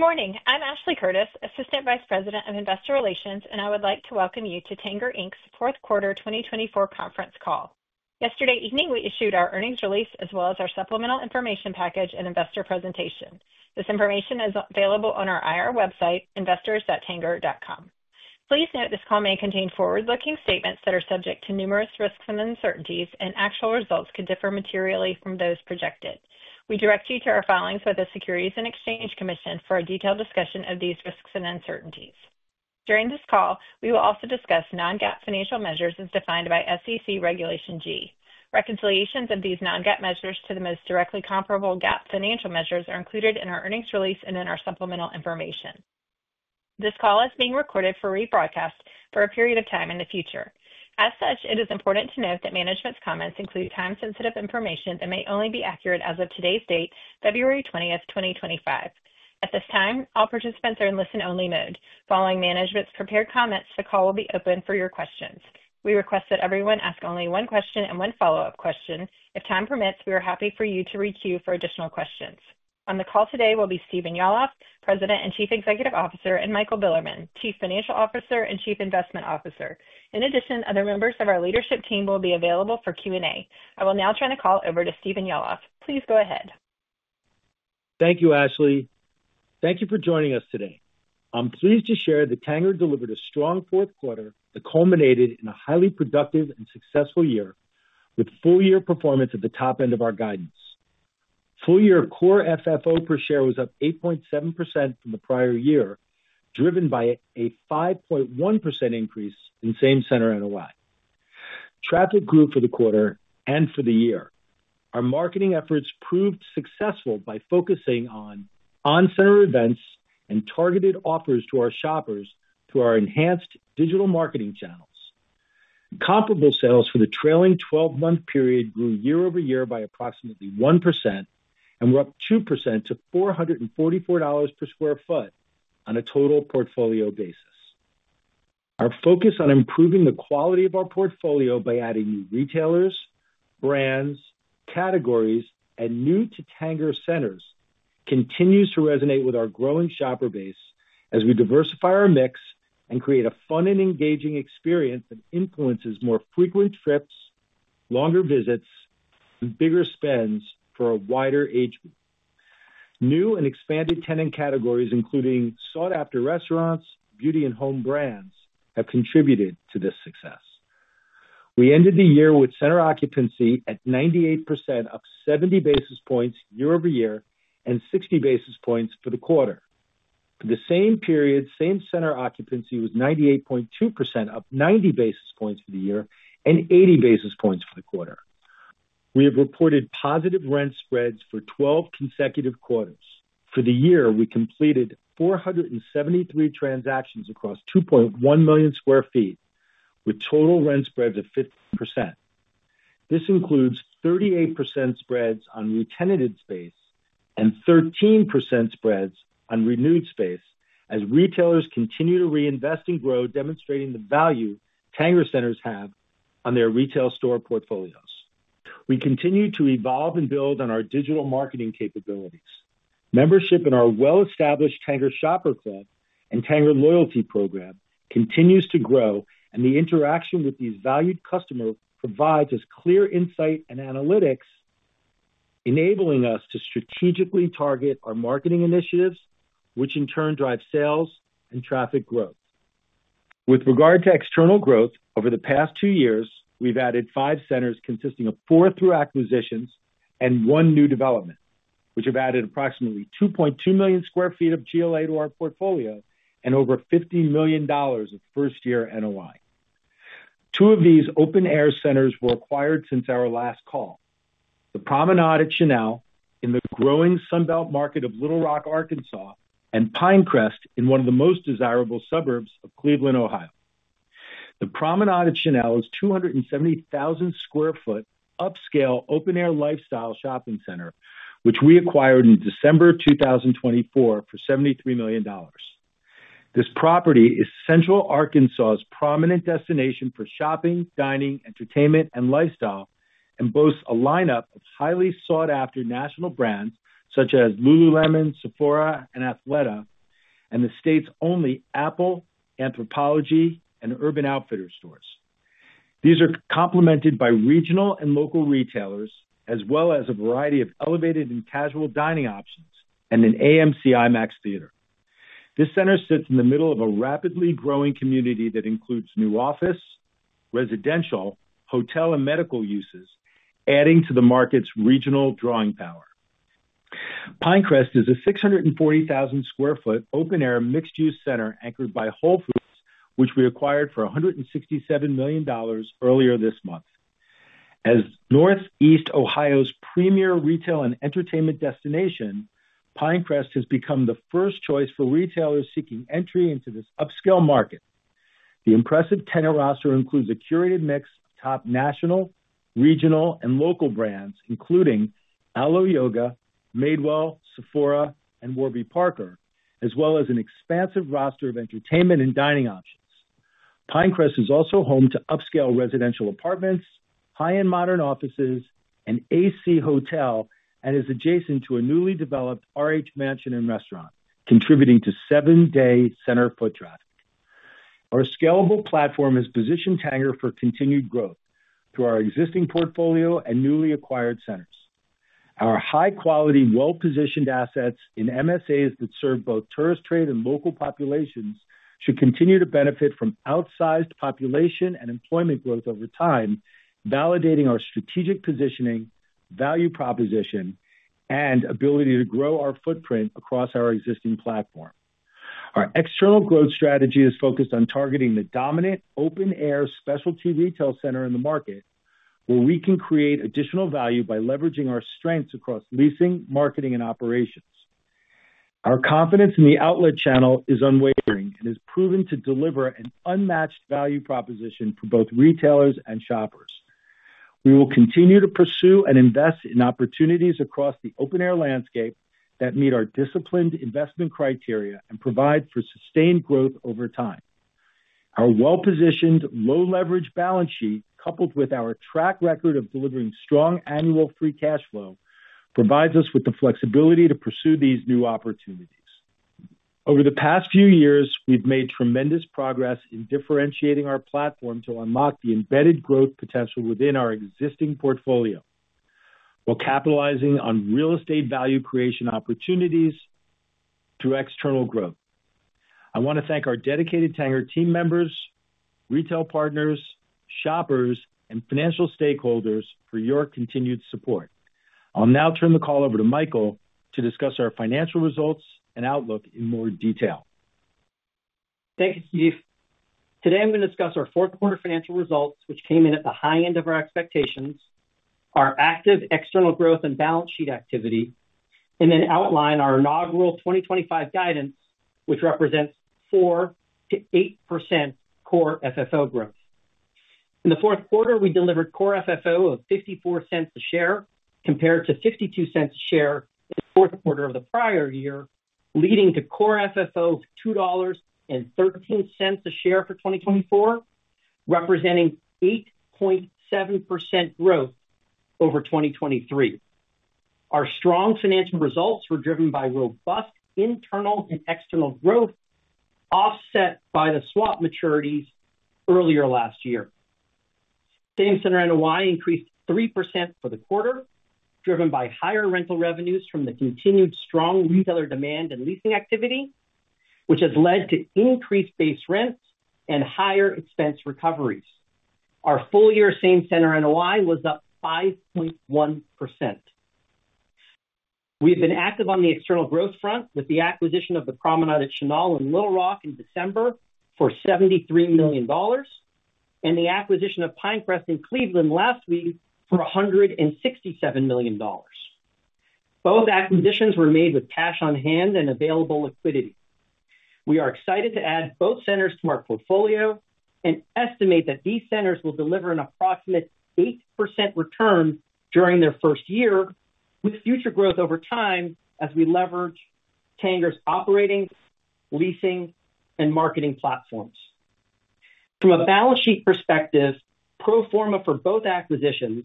Good morning. I'm Ashley Curtis, Assistant Vice President of Investor Relations, and I would like to welcome you to Tanger Inc.'s Fourth Quarter 2024 Conference Call. Yesterday evening, we issued our earnings release as well as our supplemental information package and investor presentation. This information is available on our IR website, investors.tanger.com. Please note this call may contain forward-looking statements that are subject to numerous risks and uncertainties, and actual results could differ materially from those projected. We direct you to our filings with the Securities and Exchange Commission for a detailed discussion of these risks and uncertainties. During this call, we will also discuss non-GAAP financial measures as defined by SEC Regulation G. Reconciliations of these non-GAAP measures to the most directly comparable GAAP financial measures are included in our earnings release and in our supplemental information. This call is being recorded for rebroadcast for a period of time in the future. As such, it is important to note that management's comments include time-sensitive information and may only be accurate as of today's date, February 20th, 2025. At this time, all participants are in listen-only mode. Following management's prepared comments, the call will be open for your questions. We request that everyone ask only one question and one follow-up question. If time permits, we are happy for you to re-queue for additional questions. On the call today will be Stephen Yalof, President and Chief Executive Officer, and Michael Bilerman, Chief Financial Officer and Chief Investment Officer. In addition, other members of our leadership team will be available for Q&A. I will now turn the call over to Stephen Yalof. Please go ahead. Thank you, Ashley. Thank you for joining us today. I'm pleased to share that Tanger delivered a strong fourth quarter that culminated in a highly productive and successful year with full-year performance at the top end of our guidance. Full-year core FFO per share was up 8.7% from the prior year, driven by a 5.1% increase in same-center NOI. Traffic grew for the quarter and for the year. Our marketing efforts proved successful by focusing on on-center events and targeted offers to our shoppers through our enhanced digital marketing channels. Comparable sales for the trailing 12-month period grew year-over-year by approximately 1% and were up 2% to $444 per sq ft on a total portfolio basis. Our focus on improving the quality of our portfolio by adding new retailers, brands, categories, and new-to-Tanger centers continues to resonate with our growing shopper base as we diversify our mix and create a fun and engaging experience that influences more frequent trips, longer visits, and bigger spends for a wider age group. New and expanded tenant categories, including sought-after restaurants, beauty, and home brands, have contributed to this success. We ended the year with center occupancy at 98% up 70 basis points year-over-year and 60 basis points for the quarter. For the same period, same-center occupancy was 98.2% up 90 basis points for the year and 80 basis points for the quarter. We have reported positive rent spreads for 12 consecutive quarters. For the year, we completed 473 transactions across 2.1 million sq ft with total rent spreads of 15%. This includes 38% spreads on retented space and 13% spreads on renewed space as retailers continue to reinvest and grow, demonstrating the value Tanger centers have on their retail store portfolios. We continue to evolve and build on our digital marketing capabilities. Membership in our well-established Tanger Shopper Club and Tanger Loyalty Program continues to grow, and the interaction with these valued customers provides us clear insight and analytics, enabling us to strategically target our marketing initiatives, which in turn drive sales and traffic growth. With regard to external growth, over the past two years, we've added five centers consisting of four acquisitions and one new development, which have added approximately 2.2 million sq ft of GLA to our portfolio and over $50 million of first-year NOI. Two of these open-air centers were acquired since our last call: The Promenade at Chenal in the growing Sunbelt market of Little Rock, Arkansas, and Pinecrest in one of the most desirable suburbs of Cleveland, Ohio. The Promenade at Chenal is a 270,000 sq ft upscale open-air lifestyle shopping center, which we acquired in December 2024 for $73 million. This property is Central Arkansas's prominent destination for shopping, dining, entertainment, and lifestyle, and boasts a lineup of highly sought-after national brands such as Lululemon, Sephora, and Athleta, and the state's only Apple, Anthropologie, and Urban Outfitters stores. These are complemented by regional and local retailers, as well as a variety of elevated and casual dining options and an AMC IMAX theater. This center sits in the middle of a rapidly growing community that includes new office, residential, hotel, and medical uses, adding to the market's regional drawing power. Pinecrest is a 640,000 sq ft open-air mixed-use center anchored by Whole Foods, which we acquired for $167 million earlier this month. As Northeast Ohio's premier retail and entertainment destination, Pinecrest has become the first choice for retailers seeking entry into this upscale market. The impressive tenant roster includes a curated mix of top national, regional, and local brands, including Alo Yoga, Madewell, Sephora, and Warby Parker, as well as an expansive roster of entertainment and dining options. Pinecrest is also home to upscale residential apartments, high-end modern offices, an AC Hotel, and is adjacent to a newly developed RH mansion and restaurant, contributing to seven-day center foot traffic. Our scalable platform has positioned Tanger for continued growth through our existing portfolio and newly acquired centers. Our high-quality, well-positioned assets in MSAs that serve both tourist trade and local populations should continue to benefit from outsized population and employment growth over time, validating our strategic positioning, value proposition, and ability to grow our footprint across our existing platform. Our external growth strategy is focused on targeting the dominant open-air specialty retail center in the market, where we can create additional value by leveraging our strengths across leasing, marketing, and operations. Our confidence in the outlet channel is unwavering and has proven to deliver an unmatched value proposition for both retailers and shoppers. We will continue to pursue and invest in opportunities across the open-air landscape that meet our disciplined investment criteria and provide for sustained growth over time. Our well-positioned, low-leverage balance sheet, coupled with our track record of delivering strong annual free cash flow, provides us with the flexibility to pursue these new opportunities. Over the past few years, we've made tremendous progress in differentiating our platform to unlock the embedded growth potential within our existing portfolio while capitalizing on real estate value creation opportunities through external growth. I want to thank our dedicated Tanger team members, retail partners, shoppers, and financial stakeholders for your continued support. I'll now turn the call over to Michael to discuss our financial results and outlook in more detail. Thank you, Steve. Today, I'm going to discuss our fourth quarter financial results, which came in at the high end of our expectations, our active external growth and balance sheet activity, and then outline our inaugural 2025 guidance, which represents 4% to 8% Core FFO growth. In the fourth quarter, we delivered Core FFO of $0.54 a share compared to $0.52 a share in the fourth quarter of the prior year, leading to Core FFO of $2.13 a share for 2024, representing 8.7% growth over 2023. Our strong financial results were driven by robust internal and external growth offset by the swap maturities earlier last year. Same-Center NOI increased 3% for the quarter, driven by higher rental revenues from the continued strong retailer demand and leasing activity, which has led to increased base rents and higher expense recoveries. Our full-year Same-Center NOI was up 5.1%. We have been active on the external growth front with the acquisition of The Promenade at Chenal in Little Rock in December for $73 million, and the acquisition of Pinecrest in Cleveland last week for $167 million. Both acquisitions were made with cash on hand and available liquidity. We are excited to add both centers to our portfolio and estimate that these centers will deliver an approximate 8% return during their first year, with future growth over time as we leverage Tanger's operating, leasing, and marketing platforms. From a balance sheet perspective, pro forma for both acquisitions,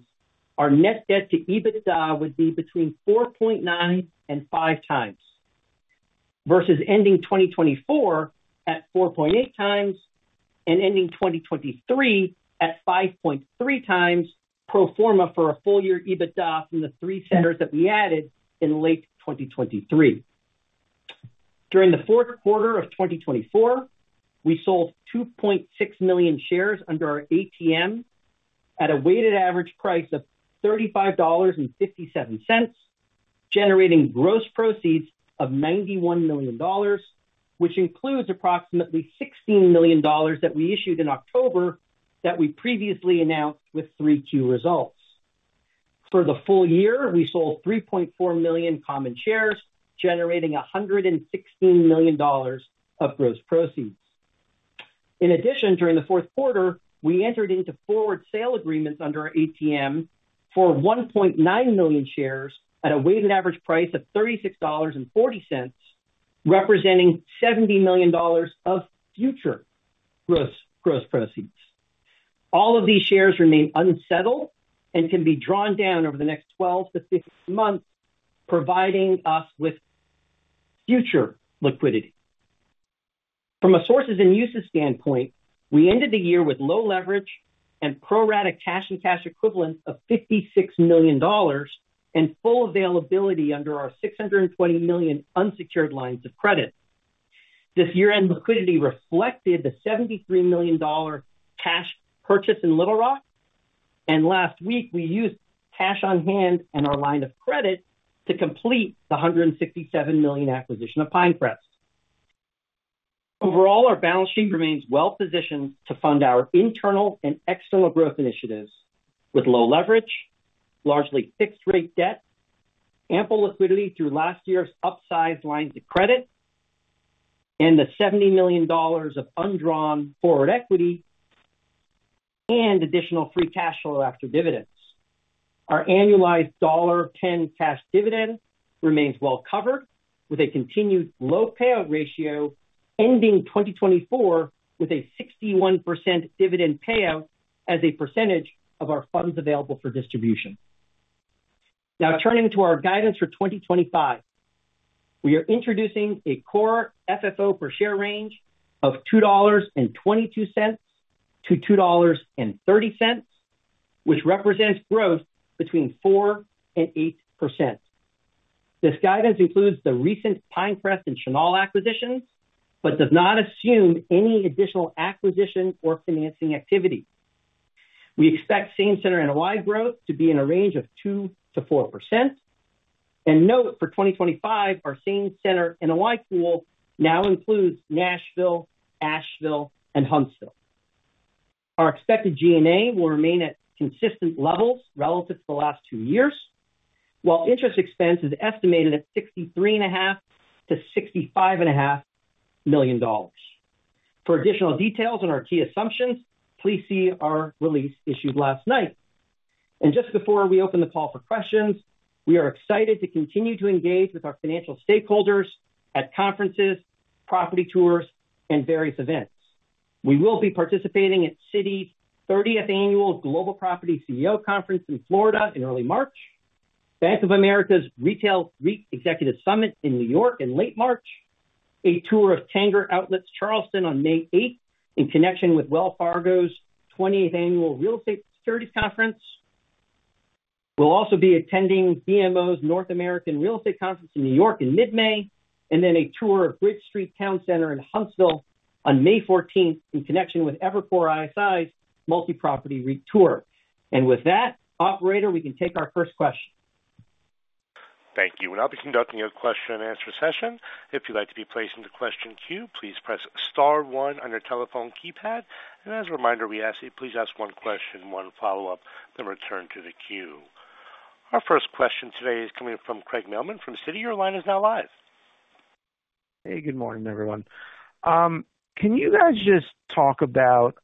our net debt to EBITDA would be between 4.9 and 5 times versus ending 2024 at 4.8 times and ending 2023 at 5.3 times pro forma for a full-year EBITDA from the three centers that we added in late 2023. During the fourth quarter of 2024, we sold 2.6 million shares under our ATM at a weighted average price of $35.57, generating gross proceeds of $91 million, which includes approximately $16 million that we issued in October that we previously announced with Q3 results. For the full year, we sold 3.4 million common shares, generating $116 million of gross proceeds. In addition, during the fourth quarter, we entered into forward sale agreements under our ATM for 1.9 million shares at a weighted average price of $36.40, representing $70 million of future gross proceeds. All of these shares remain unsettled and can be drawn down over the next 12 to 15 months, providing us with future liquidity. From a sources and uses standpoint, we ended the year with low leverage and pro rata cash and cash equivalent of $56 million and full availability under our $620 million unsecured lines of credit. This year-end liquidity reflected the $73 million cash purchase in Little Rock. And last week, we used cash on hand and our line of credit to complete the $167 million acquisition of Pinecrest. Overall, our balance sheet remains well-positioned to fund our internal and external growth initiatives with low leverage, largely fixed-rate debt, ample liquidity through last year's upsized lines of credit, and the $70 million of undrawn forward equity and additional free cash flow after dividends. Our annualized $1.10 cash dividend remains well covered, with a continued low payout ratio ending 2024 with a 61% dividend payout as a percentage of our funds available for distribution. Now, turning to our guidance for 2025, we are introducing a Core FFO per share range of $2.22-$2.30, which represents growth between 4% and 8%. This guidance includes the recent Pinecrest and Chenal acquisitions but does not assume any additional acquisition or financing activity. We expect same-center NOI growth to be in a range of 2%-4%. And note, for 2025, our same-center NOI pool now includes Nashville, Asheville, and Huntsville. Our expected G&A will remain at consistent levels relative to the last two years, while interest expense is estimated at $63.5-$65.5 million. For additional details on our key assumptions, please see our release issued last night. And just before we open the call for questions, we are excited to continue to engage with our financial stakeholders at conferences, property tours, and various events. We will be participating at Citi's 30th annual Global Property CEO Conference in Florida in early March, Bank of America's Retail REIT Executive Summit in New York in late March, a tour of Tanger Outlets Charleston on May 8th in connection with Wells Fargo's 20th annual Real Estate Securities Conference. We'll also be attending BMO's North American Real Estate Conference in New York in mid-May, and then a tour of Bridge Street Town Center in Huntsville on May 14th in connection with Evercore ISI's Multi-Property REIT tour. And with that, Operator, we can take our first question. Thank you. And I'll be conducting a question-and-answer session. If you'd like to be placed into question queue, please press star one on your telephone keypad. And as a reminder, we ask that you please ask one question, one follow-up, then return to the queue. Our first question today is coming from Craig Mailman from Citi. Your line is now live. Hey, good morning, everyone. Can you guys just talk about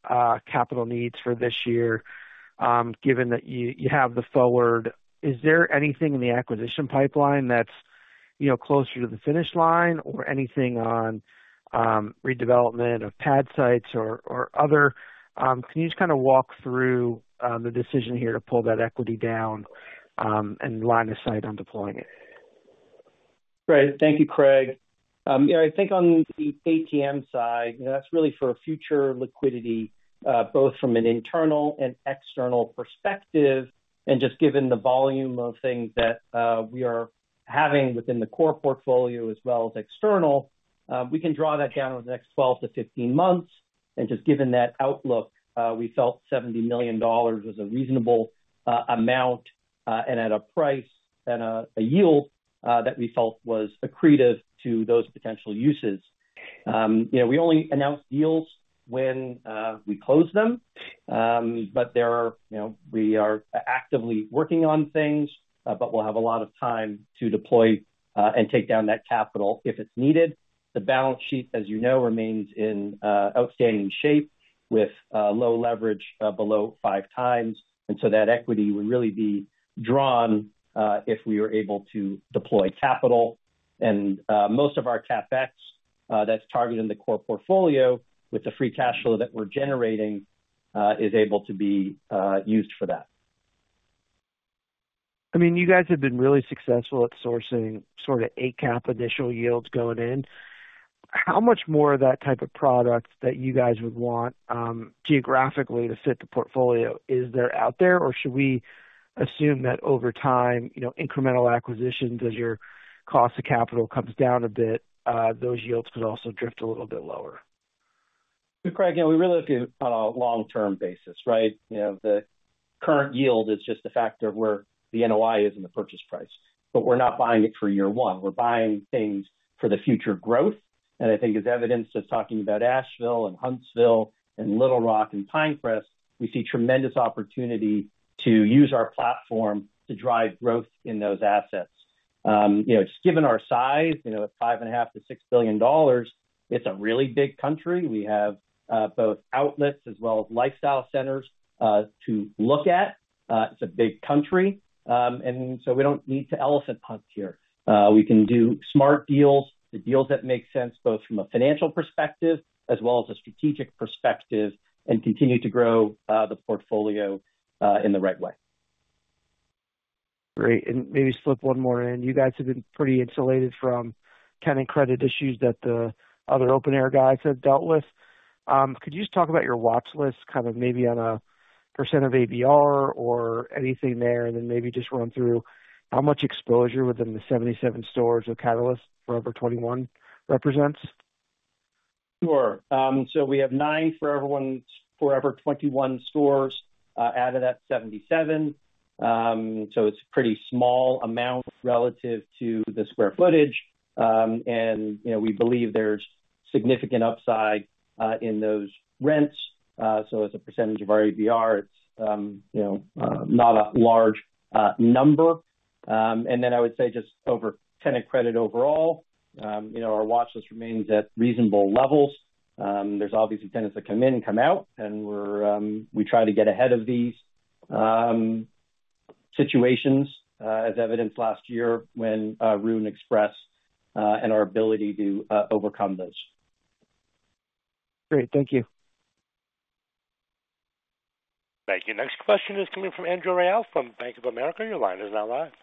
capital needs for this year, given that you have the forward? Is there anything in the acquisition pipeline that's closer to the finish line or anything on redevelopment of pad sites or other? Can you just kind of walk through the decision here to pull that equity down and line aside on deploying it? Great. Thank you, Craig. I think on the ATM side, that's really for future liquidity, both from an internal and external perspective. And just given the volume of things that we are having within the core portfolio as well as external, we can draw that down over the next 12-15 months. And just given that outlook, we felt $70 million was a reasonable amount and at a price and a yield that we felt was accretive to those potential uses. We only announce deals when we close them, but we are actively working on things, but we'll have a lot of time to deploy and take down that capital if it's needed. The balance sheet, as you know, remains in outstanding shape with low leverage below five times. And so that equity would really be drawn if we were able to deploy capital. Most of our CapEx that's targeted in the core portfolio with the free cash flow that we're generating is able to be used for that. I mean, you guys have been really successful at sourcing sort of ACAP initial yields going in. How much more of that type of product that you guys would want geographically to fit the portfolio? Is there out there, or should we assume that over time, incremental acquisitions, as your cost of capital comes down a bit, those yields could also drift a little bit lower? Craig, we really look at it on a long-term basis, right? The current yield is just a factor of where the NOI is in the purchase price, but we're not buying it for year one. We're buying things for the future growth. And I think as evidenced as talking about Asheville and Huntsville and Little Rock and Pinecrest, we see tremendous opportunity to use our platform to drive growth in those assets. Just given our size, at $5.5-$6 billion, it's a really big country. We have both outlets as well as lifestyle centers to look at. It's a big country. And so we don't need to elephant hunt here. We can do smart deals, the deals that make sense both from a financial perspective as well as a strategic perspective, and continue to grow the portfolio in the right way. Great. And maybe slip one more in. You guys have been pretty insulated from tenant credit issues that the other open-air guys have dealt with. Could you just talk about your watch list, kind of maybe on a % of ABR or anything there, and then maybe just run through how much exposure within the 77 stores that Forever 21 represents? Sure. So we have nine Forever 21 stores out of that 77. So it's a pretty small amount relative to the square footage. And we believe there's significant upside in those rents. So as a % of our ABR, it's not a large number. And then I would say just overall tenant credit, our watch list remains at reasonable levels. There's obviously tenants that come in and come out, and we try to get ahead of these situations, as evidenced last year when Rue21. And our ability to overcome those. Great. Thank you. Thank you. Next question is coming from Andrew Reale from Bank of America. Your line is now live.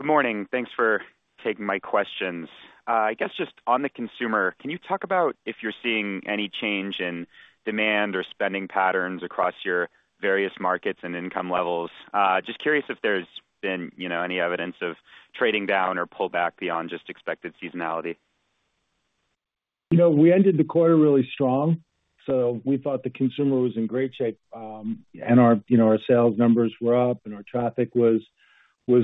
Good morning. Thanks for taking my questions. I guess just on the consumer, can you talk about if you're seeing any change in demand or spending patterns across your various markets and income levels? Just curious if there's been any evidence of trading down or pullback beyond just expected seasonality. We ended the quarter really strong, so we thought the consumer was in great shape. And our sales numbers were up, and our traffic was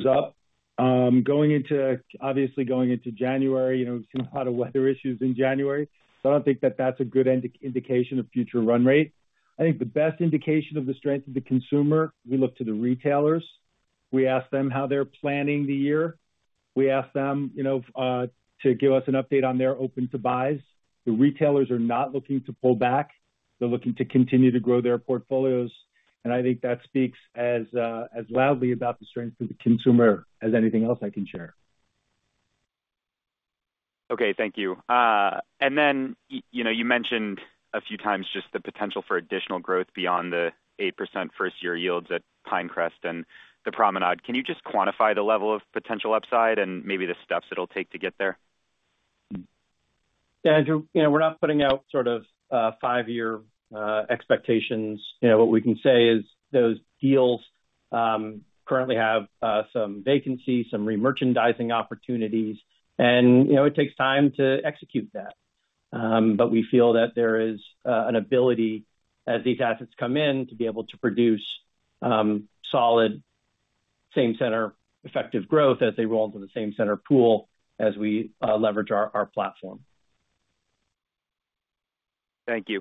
up. Obviously, going into January, we've seen a lot of weather issues in January. So I don't think that that's a good indication of future run rate. I think the best indication of the strength of the consumer, we look to the retailers. We ask them how they're planning the year. We ask them to give us an update on their open-to-buys. The retailers are not looking to pull back. They're looking to continue to grow their portfolios. And I think that speaks as loudly about the strength of the consumer as anything else I can share. Okay. Thank you. And then you mentioned a few times just the potential for additional growth beyond the 8% first-year yields at Pinecrest and The Promenade. Can you just quantify the level of potential upside and maybe the steps it'll take to get there? Yeah. We're not putting out sort of five-year expectations. What we can say is those deals currently have some vacancy, some re-merchandising opportunities, and it takes time to execute that. But we feel that there is an ability, as these assets come in, to be able to produce solid same-center effective growth as they roll into the same-center pool as we leverage our platform. Thank you.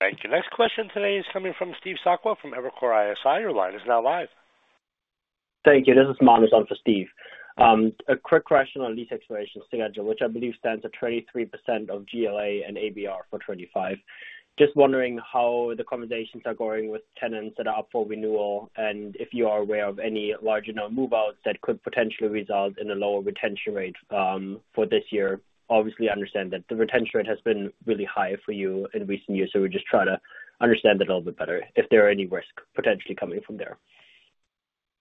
Thank you. Next question today is coming from Steve Sakwa from Evercore ISI. Your line is now live. Thank you. This is Manus on for Steve. A quick question on lease expiration schedule, which I believe stands at 23% of GLA and ABR for 2025. Just wondering how the conversations are going with tenants that are up for renewal and if you are aware of any larger-known move-outs that could potentially result in a lower retention rate for this year. Obviously, I understand that the retention rate has been really high for you in recent years, so we're just trying to understand it a little bit better if there are any risks potentially coming from there.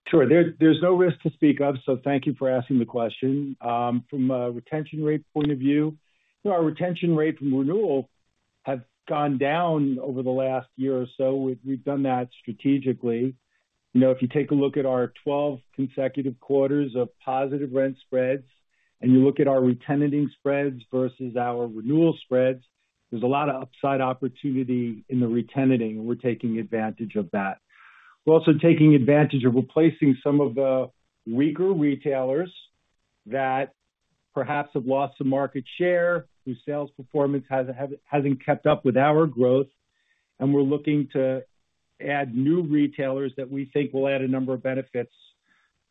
Sure. There's no risk to speak of, so thank you for asking the question. From a retention rate point of view, our retention rate from renewal has gone down over the last year or so. We've done that strategically. If you take a look at our 12 consecutive quarters of positive rent spreads and you look at our retenting spreads versus our renewal spreads, there's a lot of upside opportunity in the retenting, and we're taking advantage of that. We're also taking advantage of replacing some of the weaker retailers that perhaps have lost some market share whose sales performance hasn't kept up with our growth, and we're looking to add new retailers that we think will add a number of benefits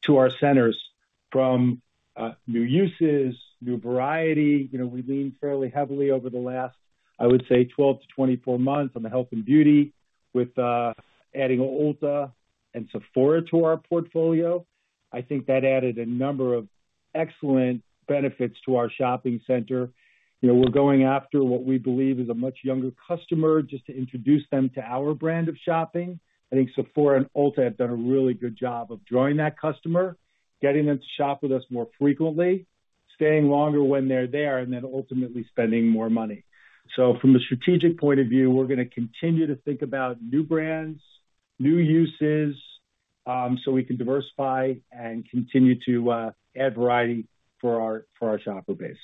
to our centers from new uses, new variety. We leaned fairly heavily over the last, I would say, 12-24 months on the health and beauty with adding Ulta and Sephora to our portfolio. I think that added a number of excellent benefits to our shopping center. We're going after what we believe is a much younger customer just to introduce them to our brand of shopping. I think Sephora and Ulta have done a really good job of drawing that customer, getting them to shop with us more frequently, staying longer when they're there, and then ultimately spending more money. So from a strategic point of view, we're going to continue to think about new brands, new uses, so we can diversify and continue to add variety for our shopper base.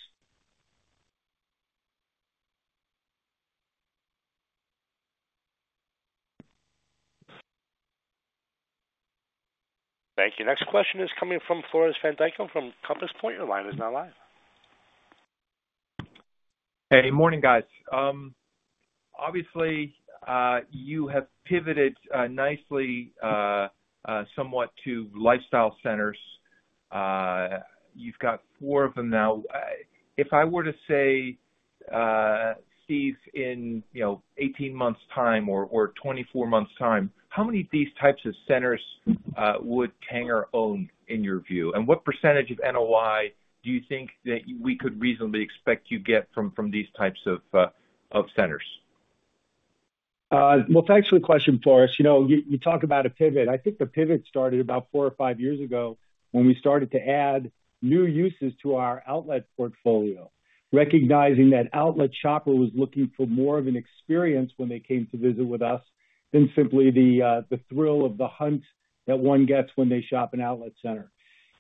Thank you. Next question is coming from Floris van Dijkum from Compass Point. Your line is now live. Hey, morning, guys. Obviously, you have pivoted nicely somewhat to lifestyle centers. You've got four of them now. If I were to say, Steve, in 18 months' time or 24 months' time, how many of these types of centers would Tanger own in your view? And what percentage of NOI do you think that we could reasonably expect you get from these types of centers? Well, thanks for the question, Floris. You talk about a pivot. I think the pivot started about four or five years ago when we started to add new uses to our outlet portfolio, recognizing that outlet shopper was looking for more of an experience when they came to visit with us than simply the thrill of the hunt that one gets when they shop an outlet center.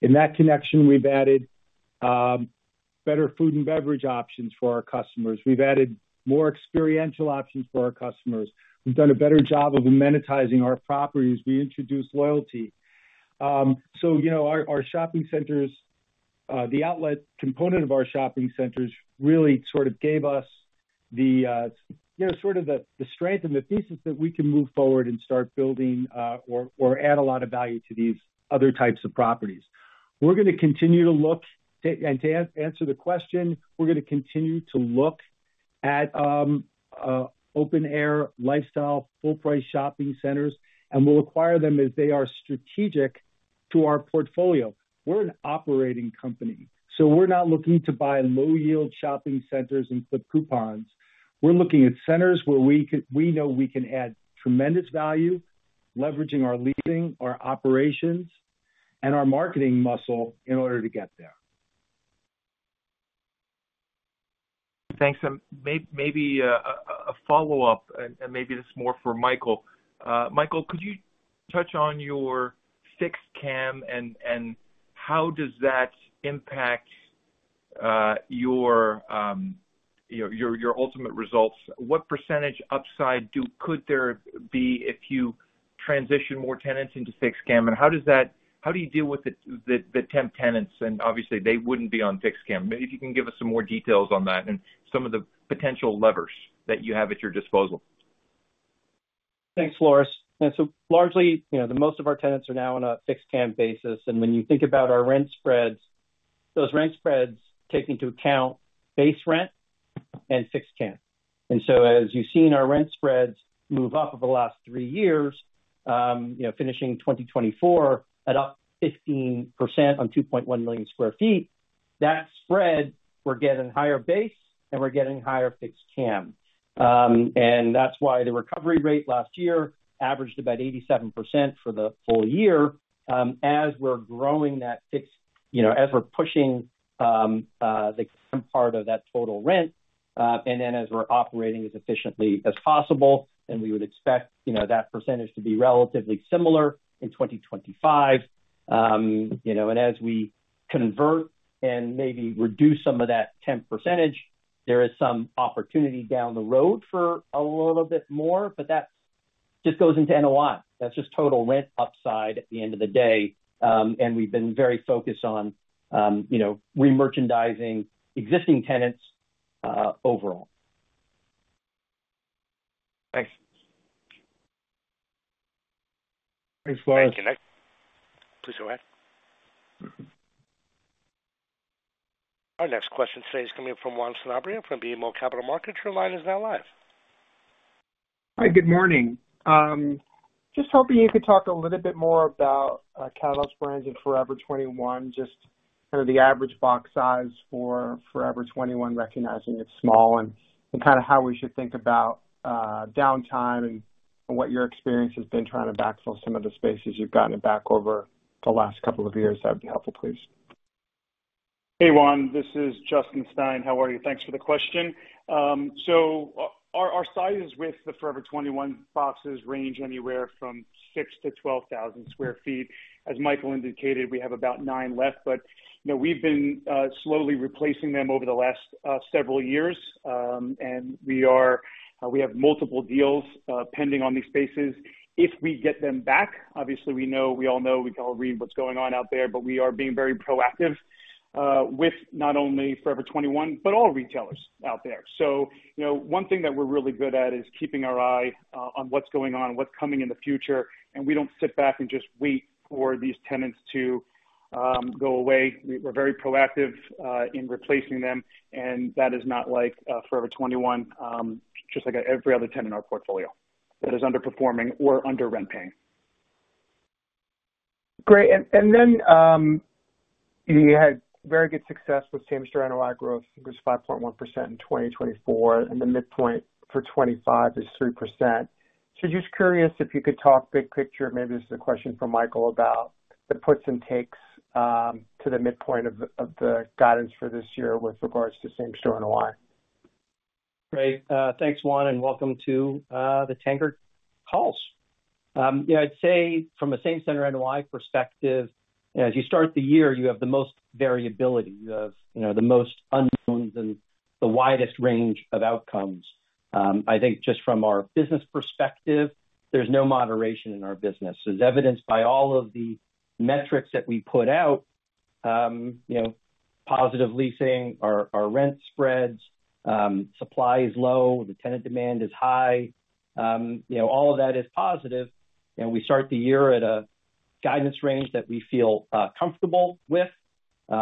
In that connection, we've added better food and beverage options for our customers. We've added more experiential options for our customers. We've done a better job of amenitizing our properties. We introduced loyalty. So our shopping centers, the outlet component of our shopping centers really sort of gave us sort of the strength and the thesis that we can move forward and start building or add a lot of value to these other types of properties. We're going to continue to look. And to answer the question, we're going to continue to look at open-air lifestyle full-price shopping centers, and we'll acquire them as they are strategic to our portfolio. We're an operating company, so we're not looking to buy low-yield shopping centers and flip coupons. We're looking at centers where we know we can add tremendous value, leveraging our leasing, our operations, and our marketing muscle in order to get there. Thanks, and maybe a follow-up, and maybe this is more for Michael. Michael, could you touch on your fixed CAM, and how does that impact your ultimate results? What percentage upside could there be if you transition more tenants into fixed CAM, and how do you deal with the temp tenants, and obviously, they wouldn't be on fixed CAM? Maybe if you can give us some more details on that and some of the potential levers that you have at your disposal. Thanks, Floris. So largely, most of our tenants are now on a fixed CAM basis. And when you think about our rent spreads, those rent spreads take into account base rent and fixed CAM. And so as you've seen our rent spreads move up over the last three years, finishing 2024 at up 15% on 2.1 million sq ft, that spread, we're getting higher base, and we're getting higher fixed CAM. And that's why the recovery rate last year averaged about 87% for the full year as we're growing that fixed as we're pushing the CAM part of that total rent. And then as we're operating as efficiently as possible, and we would expect that percentage to be relatively similar in 2025. As we convert and maybe reduce some of that temp percentage, there is some opportunity down the road for a little bit more, but that just goes into NOI. That's just total rent upside at the end of the day. We've been very focused on re-merchandising existing tenants overall. Thanks. Thanks, Flores. Thank you. Please go ahead. Our next question today is coming from Juan Sanabria from BMO Capital Markets. Your line is now live. Hi. Good morning. Just hoping you could talk a little bit more about Catalyst brands and Forever 21, just kind of the average box size for Forever 21, recognizing it's small and kind of how we should think about downtime and what your experience has been trying to backfill some of the spaces you've gotten back over the last couple of years. That would be helpful, please. Hey, Juan. This is Justin Stein. How are you? Thanks for the question. So our sizes with the Forever 21 boxes range anywhere from 6 to 12,000 sq ft. As Michael indicated, we have about nine left, but we've been slowly replacing them over the last several years, and we have multiple deals pending on these spaces. If we get them back, obviously, we all know we can all read what's going on out there, but we are being very proactive with not only Forever 21, but all retailers out there. So one thing that we're really good at is keeping our eye on what's going on, what's coming in the future, and we don't sit back and just wait for these tenants to go away. We're very proactive in replacing them, and that is not like Forever 21, just like every other tenant in our portfolio that is underperforming or under rent paying. Great. And then you had very good success with same-center NOI growth. It was 5.1% in 2024, and the midpoint for 2025 is 3%. So just curious if you could talk big picture, maybe this is a question for Michael about the puts and takes to the midpoint of the guidance for this year with regards to same-center NOI. Great. Thanks, Juan, and welcome to the Tanger calls. I'd say from a Same-Center NOI perspective, as you start the year, you have the most variability, the most unknowns, and the widest range of outcomes. I think just from our business perspective, there's no moderation in our business. As evidenced by all of the metrics that we put out, positive leasing, our Rent Spreads, supply is low, the tenant demand is high. All of that is positive. We start the year at a guidance range that we feel comfortable with.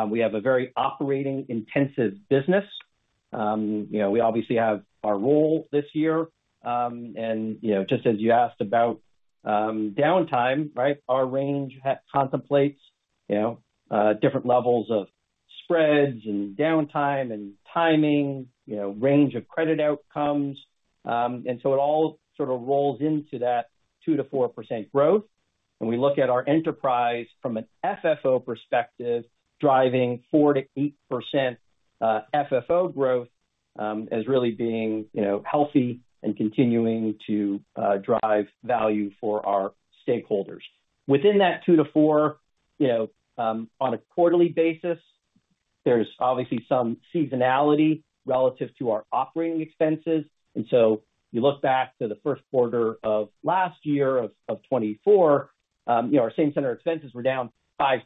We have a very operating-intensive business. We obviously have our role this year. And just as you asked about downtime, our range contemplates different levels of spreads and downtime and timing, range of credit outcomes. And so it all sort of rolls into that 2%-4% growth. We look at our enterprise from an FFO perspective, driving 4%-8% FFO growth as really being healthy and continuing to drive value for our stakeholders. Within that 2%-4%, on a quarterly basis, there's obviously some seasonality relative to our operating expenses, so you look back to the first quarter of last year of 2024, our same-center expenses were down 5%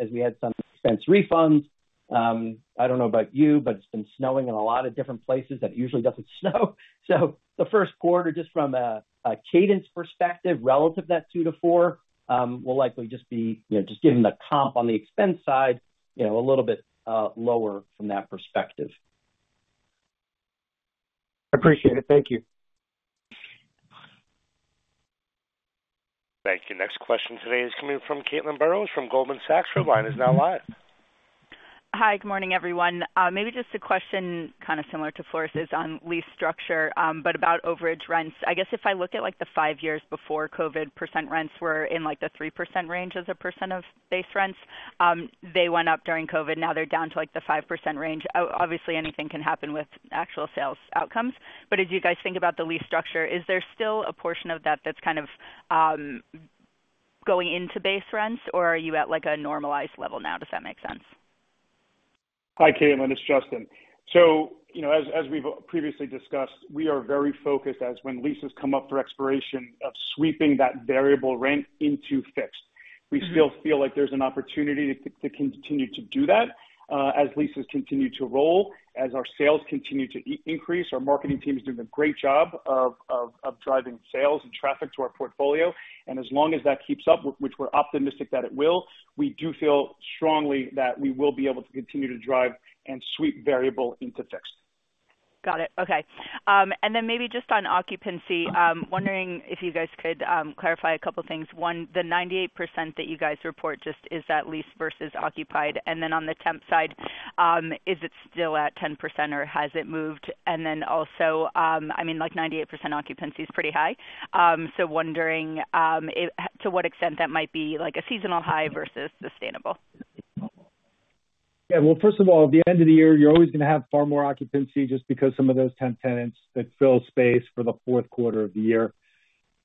as we had some expense refunds. I don't know about you, but it's been snowing in a lot of different places that it usually doesn't snow, so the first quarter, just from a cadence perspective relative to that 2%-4%, will likely just be given the comp on the expense side a little bit lower from that perspective. Appreciate it. Thank you. Thank you. Next question today is coming from Caitlin Burrows from Goldman Sachs. Her line is now live. Hi. Good morning, everyone. Maybe just a question kind of similar to Floris' on lease structure, but about overage rents. I guess if I look at the five years before COVID, percent rents were in the 3% range as a percent of base rents. They went up during COVID. Now they're down to the 5% range. Obviously, anything can happen with actual sales outcomes. But as you guys think about the lease structure, is there still a portion of that that's kind of going into base rents, or are you at a normalized level now? Does that make sense? Hi, Caitlin. It's Justin. So as we've previously discussed, we are very focused as when leases come up for expiration of sweeping that variable rent into fixed. We still feel like there's an opportunity to continue to do that as leases continue to roll, as our sales continue to increase. Our marketing team is doing a great job of driving sales and traffic to our portfolio. And as long as that keeps up, which we're optimistic that it will, we do feel strongly that we will be able to continue to drive and sweep variable into fixed. Got it. Okay, and then maybe just on occupancy, wondering if you guys could clarify a couple of things. One, the 98% that you guys report, just is that lease versus occupied, and then on the temp side, is it still at 10% or has it moved? And then, also, I mean, 98% occupancy is pretty high, so wondering to what extent that might be a seasonal high versus sustainable. Yeah. Well, first of all, at the end of the year, you're always going to have far more occupancy just because some of those temp tenants that fill space for the fourth quarter of the year.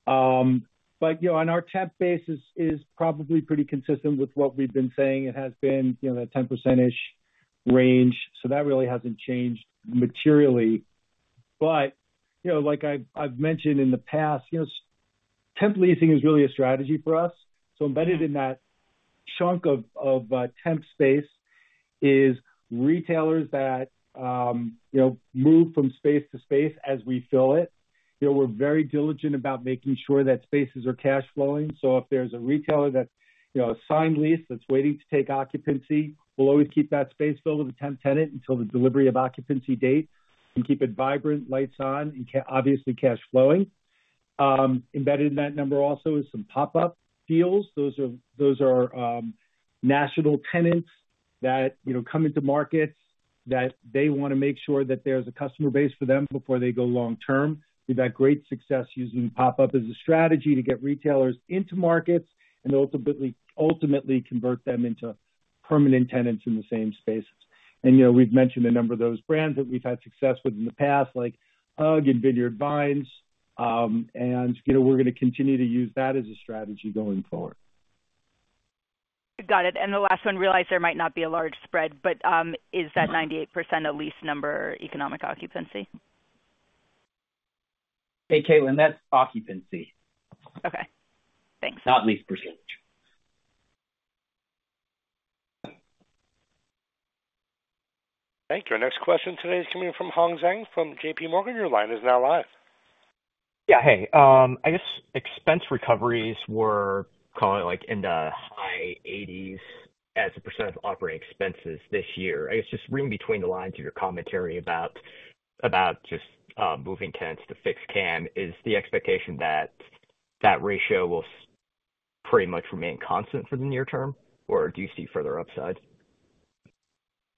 But on our temp basis, it is probably pretty consistent with what we've been saying. It has been that 10%-ish range. So that really hasn't changed materially. But like I've mentioned in the past, temp leasing is really a strategy for us. So embedded in that chunk of temp space is retailers that move from space to space as we fill it. We're very diligent about making sure that spaces are cash flowing. So if there's a retailer that's signed lease that's waiting to take occupancy, we'll always keep that space filled with a temp tenant until the delivery of occupancy date and keep it vibrant, lights on, and obviously cash flowing. Embedded in that number also is some pop-up deals. Those are national tenants that come into markets that they want to make sure that there's a customer base for them before they go long-term. We've had great success using pop-up as a strategy to get retailers into markets and ultimately convert them into permanent tenants in the same spaces. And we've mentioned a number of those brands that we've had success with in the past, like UGG and Vineyard Vines. And we're going to continue to use that as a strategy going forward. Got it. And the last one, realize there might not be a large spread, but is that 98% a lease number, economic occupancy? Hey, Caitlin, that's occupancy. Okay. Thanks. Not lease percentage. Thank you. Our next question today is coming from Hong Zhang from JPMorgan. Your line is now live. Yeah. Hey. I guess expense recoveries, we're calling it in the high 80s% of operating expenses this year. I guess just reading between the lines of your commentary about just moving tenants to fixed CAM, is the expectation that that ratio will pretty much remain constant for the near term, or do you see further upside?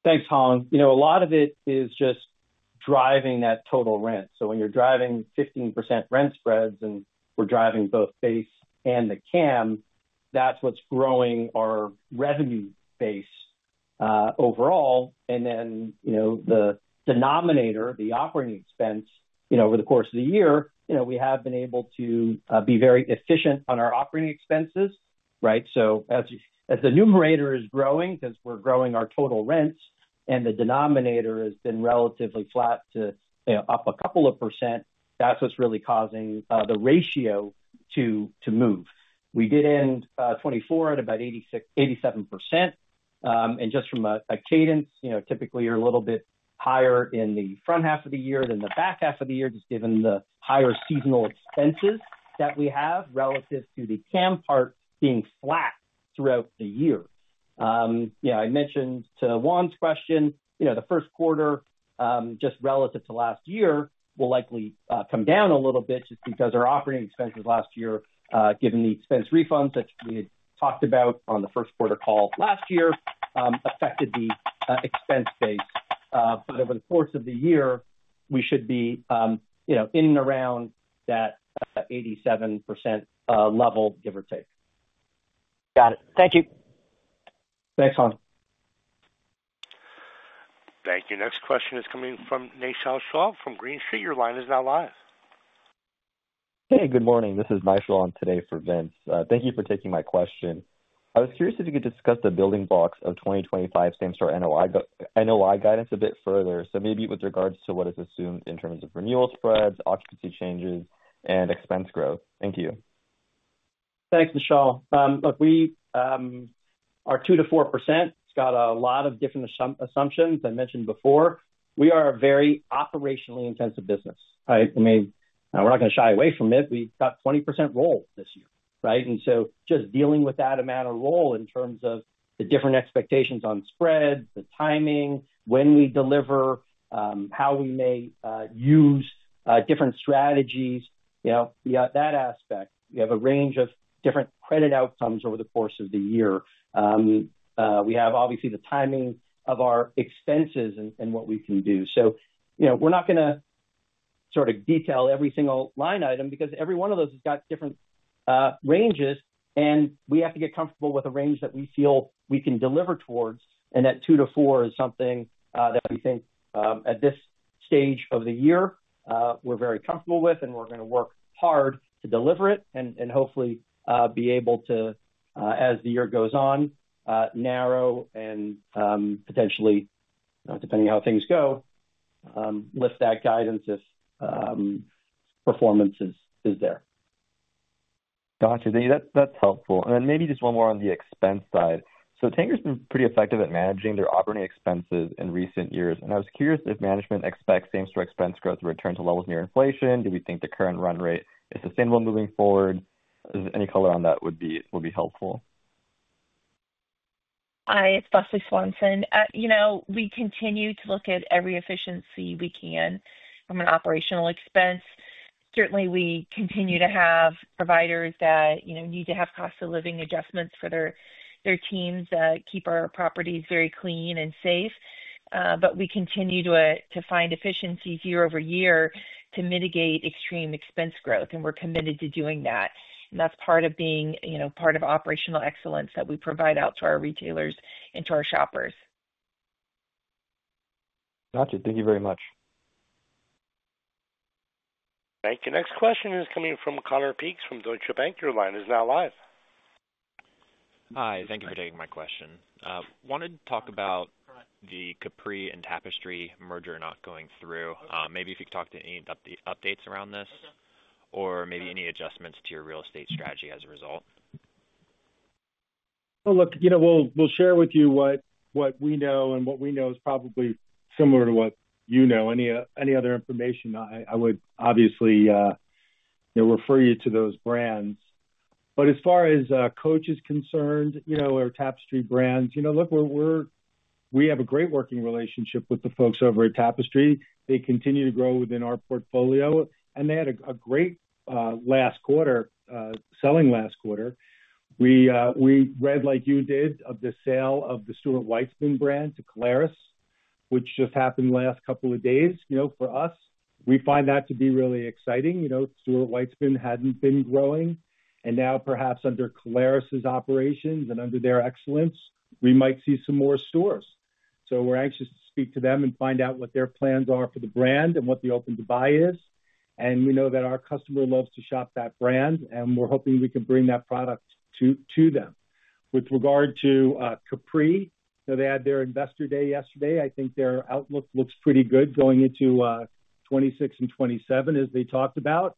Thanks, Hong. A lot of it is just driving that total rent. So when you're driving 15% rent spreads and we're driving both base and the CAM, that's what's growing our revenue base overall. And then the denominator, the operating expense over the course of the year, we have been able to be very efficient on our operating expenses. So as the numerator is growing because we're growing our total rents and the denominator has been relatively flat to up a couple of percent, that's what's really causing the ratio to move. We did end 2024 at about 87%. And just from a cadence, typically you're a little bit higher in the front half of the year than the back half of the year, just given the higher seasonal expenses that we have relative to the CAM part being flat throughout the year. I mentioned to Juan's question, the first quarter just relative to last year will likely come down a little bit just because our operating expenses last year, given the expense refunds that we had talked about on the first quarter call last year, affected the expense base. But over the course of the year, we should be in and around that 87% level, give or take. Got it. Thank you. Thanks, Hong. Thank you. Next question is coming From Naishal Shah from Green Street. Your line is now live. Hey, good morning. This is Naishal today for Vince. Thank you for taking my question. I was curious if you could discuss the building blocks of 2025 same-store NOI guidance a bit further. So maybe with regards to what is assumed in terms of renewal spreads, occupancy changes, and expense growth. Thank you. Thanks, Naishal. Look, our 2%-4%. It's got a lot of different assumptions I mentioned before. We are a very operationally intensive business. We're not going to shy away from it. We've got 20% roll this year. And so just dealing with that amount of roll in terms of the different expectations on spreads, the timing, when we deliver, how we may use different strategies, that aspect. We have a range of different credit outcomes over the course of the year. We have obviously the timing of our expenses and what we can do. So we're not going to sort of detail every single line item because every one of those has got different ranges, and we have to get comfortable with a range that we feel we can deliver towards. That 2-4 is something that we think at this stage of the year, we're very comfortable with, and we're going to work hard to deliver it and hopefully be able to, as the year goes on, narrow and potentially, depending on how things go, lift that guidance if performance is there. Gotcha. That's helpful. And then maybe just one more on the expense side. So Tanger has been pretty effective at managing their operating expenses in recent years. And I was curious if management expects same-store expense growth to return to levels near inflation. Do we think the current run rate is sustainable moving forward? Any color on that would be helpful. Hi, it's Leslie Swanson. We continue to look at every efficiency we can from an operational expense. Certainly, we continue to have providers that need to have cost of living adjustments for their teams that keep our properties very clean and safe. But we continue to find efficiency year over year to mitigate extreme expense growth, and we're committed to doing that, and that's part of being part of operational excellence that we provide out to our retailers and to our shoppers. Gotcha. Thank you very much. Thank you. Next question is coming from Connor Peekes from Deutsche Bank. Your line is now live. Hi. Thank you for taking my question. Wanted to talk about the Capri and Tapestry merger not going through. Maybe if you could talk to any updates around this or maybe any adjustments to your real estate strategy as a result. Look, we'll share with you what we know, and what we know is probably similar to what you know. Any other information, I would obviously refer you to those brands. As far as Coach is concerned, our Tapestry brands, look, we have a great working relationship with the folks over at Tapestry. They continue to grow within our portfolio, and they had a great last quarter, selling last quarter. We read, like you did, of the sale of the Stuart Weitzman brand to Caleres, which just happened the last couple of days. For us, we find that to be really exciting. Stuart Weitzman hadn't been growing. Now, perhaps under Caleres's operations and under their excellence, we might see some more stores. We're anxious to speak to them and find out what their plans are for the brand and what the open-to-buy is. We know that our customer loves to shop that brand, and we're hoping we can bring that product to them. With regard to Capri, they had their investor day yesterday. I think their outlook looks pretty good going into 2026 and 2027, as they talked about.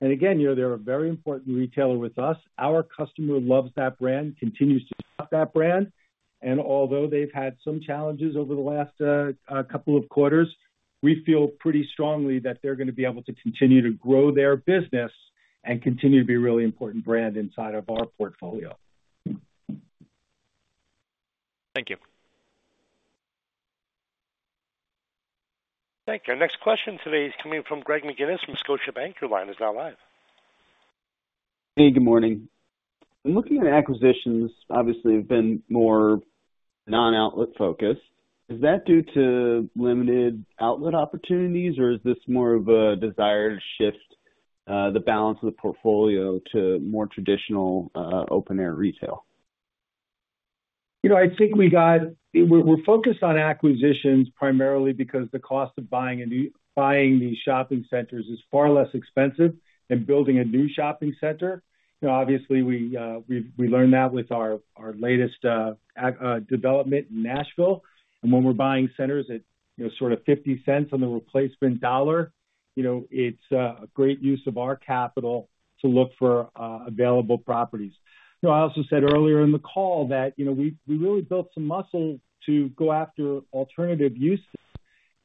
Again, they're a very important retailer with us. Our customer loves that brand, continues to shop that brand. Although they've had some challenges over the last couple of quarters, we feel pretty strongly that they're going to be able to continue to grow their business and continue to be a really important brand inside of our portfolio. Thank you. Thank you. Our next question today is coming from Greg McGinniss from Scotiabank. Your line is now live. Hey, good morning. I'm looking at acquisitions. Obviously, they've been more non-outlet focused. Is that due to limited outlet opportunities, or is this more of a desire to shift the balance of the portfolio to more traditional open-air retail? I think we're focused on acquisitions primarily because the cost of buying these shopping centers is far less expensive than building a new shopping center. Obviously, we learned that with our latest development in Nashville, and when we're buying centers at sort of $ 0.50 on the replacement dollar, it's a great use of our capital to look for available properties. I also said earlier in the call that we really built some muscle to go after alternative uses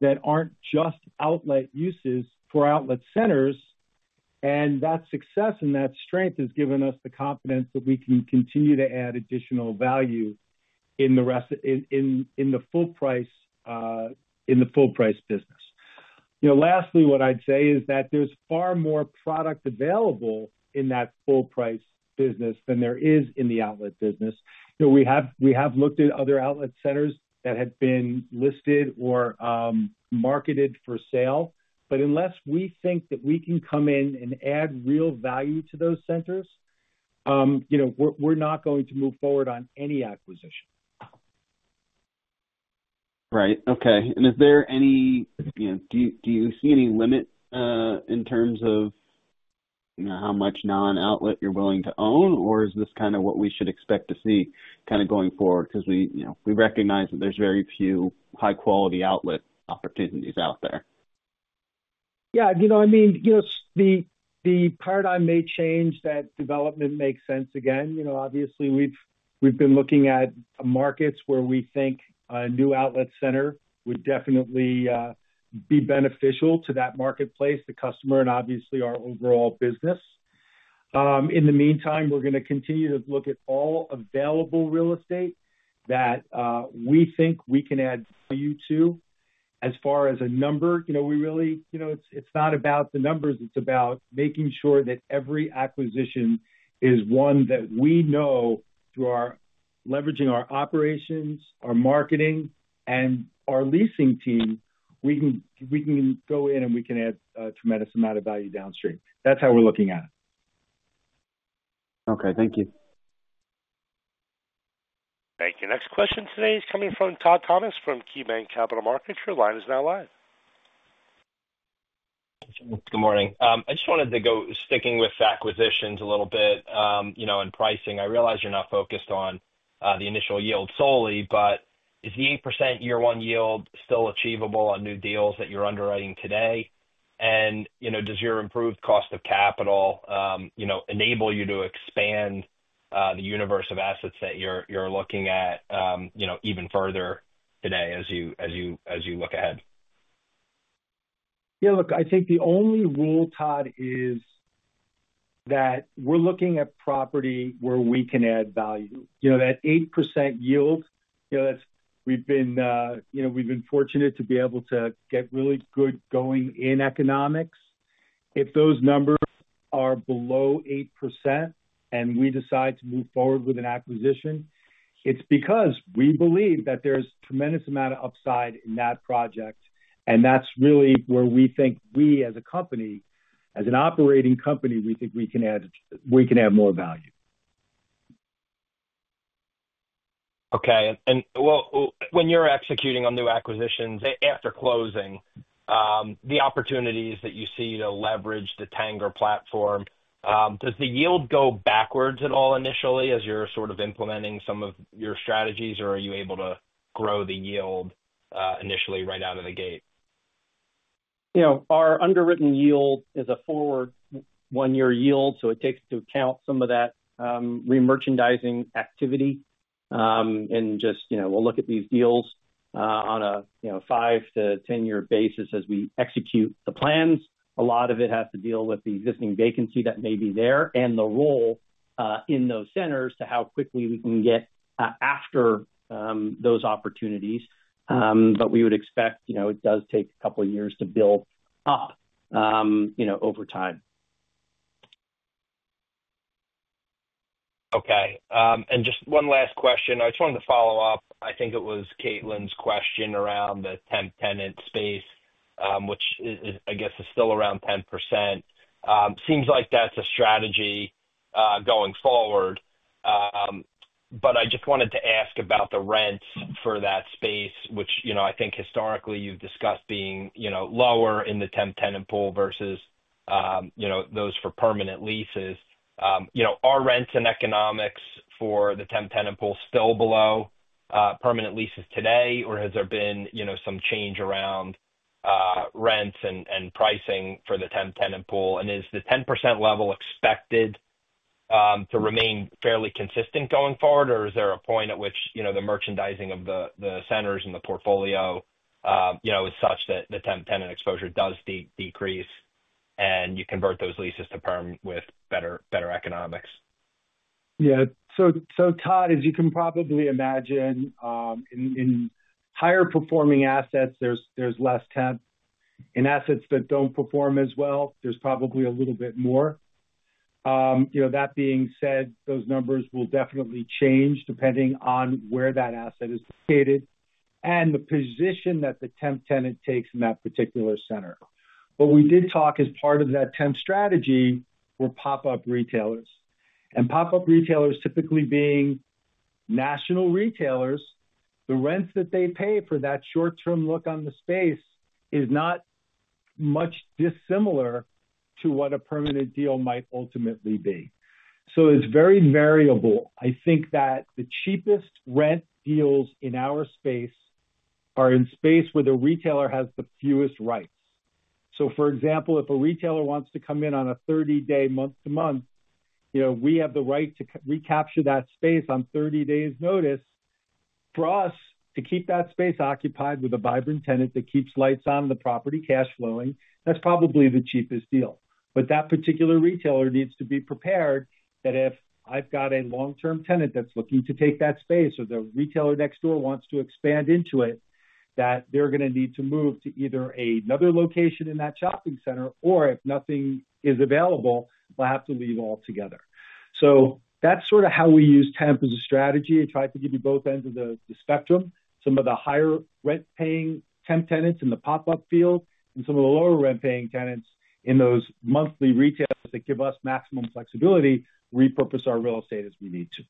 that aren't just outlet uses for outlet centers, and that success and that strength has given us the confidence that we can continue to add additional value in the full-price business. Lastly, what I'd say is that there's far more product available in that full-price business than there is in the outlet business. We have looked at other outlet centers that had been listed or marketed for sale. But unless we think that we can come in and add real value to those centers, we're not going to move forward on any acquisition. Right. Okay. And do you see any limit in terms of how much non-outlet you're willing to own, or is this kind of what we should expect to see kind of going forward? Because we recognize that there's very few high-quality outlet opportunities out there. Yeah. I mean, the paradigm may change that development makes sense again. Obviously, we've been looking at markets where we think a new outlet center would definitely be beneficial to that marketplace, the customer, and obviously our overall business. In the meantime, we're going to continue to look at all available real estate that we think we can add value to. As far as a number, we really, it's not about the numbers. It's about making sure that every acquisition is one that we know through leveraging our operations, our marketing, and our leasing team, we can go in and we can add a tremendous amount of value downstream. That's how we're looking at it. Okay. Thank you. Thank you. Next question today is coming from Todd Thomas from KeyBanc Capital Markets. Your line is now live. Good morning. I just wanted to go sticking with acquisitions a little bit and pricing. I realize you're not focused on the initial yield solely, but is the 8% year-one yield still achievable on new deals that you're underwriting today? And does your improved cost of capital enable you to expand the universe of assets that you're looking at even further today as you look ahead? Yeah. Look, I think the only rule, Todd, is that we're looking at property where we can add value. That 8% yield, we've been fortunate to be able to get really good going in economics. If those numbers are below 8% and we decide to move forward with an acquisition, it's because we believe that there's a tremendous amount of upside in that project, and that's really where we think we, as a company, as an operating company, we think we can add more value. Okay. And when you're executing on new acquisitions after closing, the opportunities that you see to leverage the Tanger platform, does the yield go backwards at all initially as you're sort of implementing some of your strategies, or are you able to grow the yield initially right out of the gate? Our underwritten yield is a forward one-year yield. So it takes into account some of that re-merchandising activity. And just we'll look at these deals on a 5-10-year basis as we execute the plans. A lot of it has to deal with the existing vacancy that may be there and the role in those centers to how quickly we can get after those opportunities. But we would expect it does take a couple of years to build up over time. Okay. And just one last question. I just wanted to follow up. I think it was Caitlin's question around the temp tenant space, which I guess is still around 10%. Seems like that's a strategy going forward. But I just wanted to ask about the rents for that space, which I think historically you've discussed being lower in the temp tenant pool versus those for permanent leases. Are rents and economics for the temp tenant space still below permanent leases today, or has there been some change around rents and pricing for the temp tenant space? And is the 10% level expected to remain fairly consistent going forward, or is there a point at which the merchandising of the centers and the portfolio is such that the temp tenant exposure does decrease and you convert those leases to perm with better economics? Yeah. So, Todd, as you can probably imagine, in higher-performing assets, there's less temp. In assets that don't perform as well, there's probably a little bit more. That being said, those numbers will definitely change depending on where that asset is located and the position that the temp tenant takes in that particular center. What we did talk as part of that temp strategy were pop-up retailers. And pop-up retailers typically being national retailers, the rents that they pay for that short-term lease on the space is not much dissimilar to what a permanent deal might ultimately be. So it's very variable. I think that the cheapest rent deals in our space are in space where the retailer has the fewest rights. So, for example, if a retailer wants to come in on a 30-day month-to-month, we have the right to recapture that space on 30 days' notice. For us to keep that space occupied with a vibrant tenant that keeps lights on the property cash flowing, that's probably the cheapest deal. But that particular retailer needs to be prepared that if I've got a long-term tenant that's looking to take that space or the retailer next door wants to expand into it, that they're going to need to move to either another location in that shopping center or, if nothing is available, will have to leave altogether. So that's sort of how we use temp as a strategy. I tried to give you both ends of the spectrum, some of the higher rent-paying temp tenants in the pop-up field and some of the lower rent-paying tenants in those monthly retailers that give us maximum flexibility, repurpose our real estate as we need to.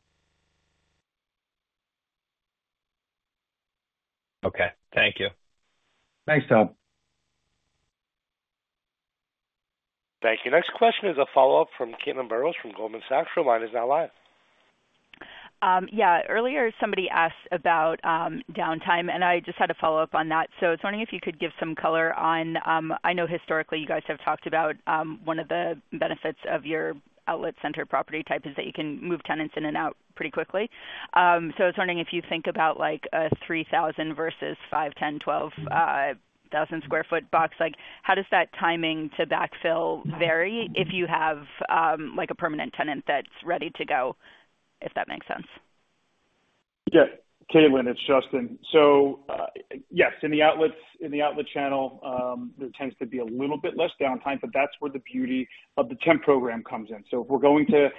Okay. Thank you. Thanks, Todd. Thank you. Next question is a follow-up from Caitlin Burrows from Goldman Sachs. Your line is now live. Yeah. Earlier, somebody asked about downtime, and I just had a follow-up on that. So I was wondering if you could give some color on, I know historically you guys have talked about one of the benefits of your outlet center property type is that you can move tenants in and out pretty quickly. So I was wondering if you think about a 3,000 versus 5,000, 10,000, 12,000 sq ft box, how does that timing to backfill vary if you have a permanent tenant that's ready to go, if that makes sense? Yeah. Caitlin, it's Justin. So yes, in the outlet channel, there tends to be a little bit less downtime, but that's where the beauty of the temp program comes in. So if we're going to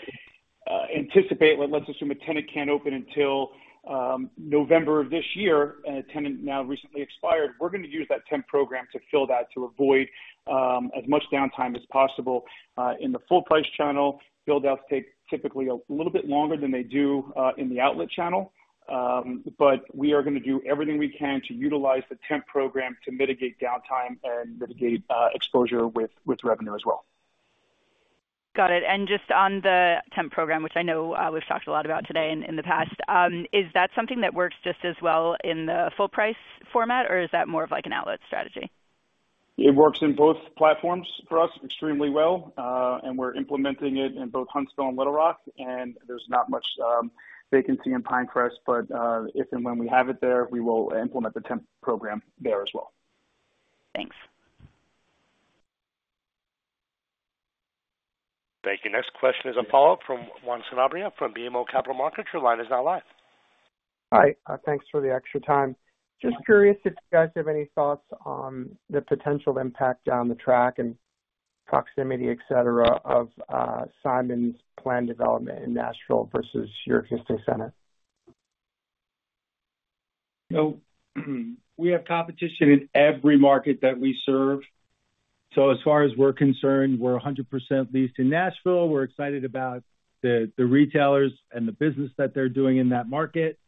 anticipate, let's assume a tenant can't open until November of this year and a tenant now recently expired, we're going to use that temp program to fill that to avoid as much downtime as possible. In the full-price channel, build-outs take typically a little bit longer than they do in the outlet channel. But we are going to do everything we can to utilize the temp program to mitigate downtime and mitigate exposure with revenue as well. Got it. And just on the temp program, which I know we've talked a lot about today in the past, is that something that works just as well in the full-price format, or is that more of an outlet strategy? It works in both platforms for us extremely well. And we're implementing it in both Huntsville and Little Rock. And there's not much vacancy in Pinecrest, but if and when we have it there, we will implement the temp program there as well. Thanks. Thank you. Next question is a follow-up from Juan Sanabria from BMO Capital Markets. Your line is now live. Hi. Thanks for the extra time. Just curious if you guys have any thoughts on the potential impact down the track and proximity, etc., of Simon's planned development in Nashville versus your existing center. No. We have competition in every market that we serve. So as far as we're concerned, we're 100% leased in Nashville. We're excited about the retailers and the business that they're doing in that market.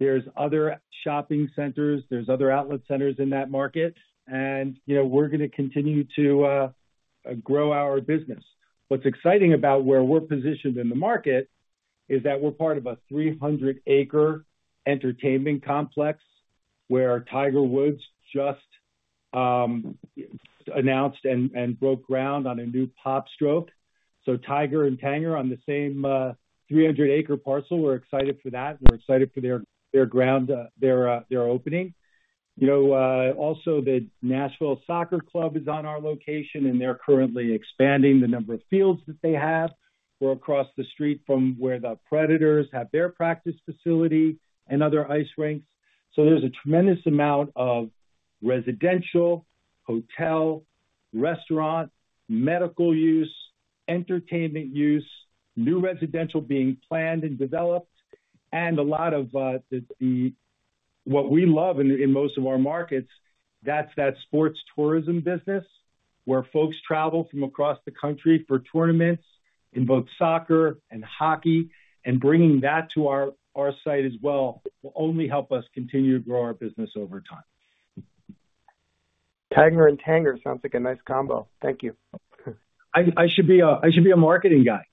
There's other shopping centers. There's other outlet centers in that market. And we're going to continue to grow our business. What's exciting about where we're positioned in the market is that we're part of a 300-acre entertainment complex where Tiger Woods just announced and broke ground on a new PopStroke. So Tiger and Tanger on the same 300-acre parcel, we're excited for that. We're excited for their opening. Also, the Nashville Soccer Club is on our location, and they're currently expanding the number of fields that they have. We're across the street from where the Predators have their practice facility and other ice rinks. There's a tremendous amount of residential, hotel, restaurant, medical use, entertainment use, new residential being planned and developed, and a lot of what we love in most of our markets, that's that sports tourism business where folks travel from across the country for tournaments in both soccer and hockey. Bringing that to our site as well will only help us continue to grow our business over time. Tiger and Tanger sounds like a nice combo. Thank you. I should be a marketing guy.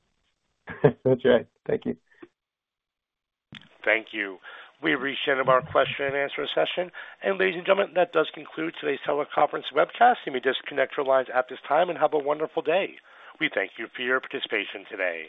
That's right. Thank you. Thank you. We've reached the end of our question and answer session. And ladies and gentlemen, that does conclude today's teleconference webcast. You may disconnect your lines at this time and have a wonderful day. We thank you for your participation today.